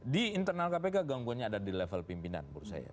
di internal kpk gangguannya ada di level pimpinan menurut saya